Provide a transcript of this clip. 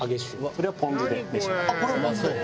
これはポン酢で召し上がって。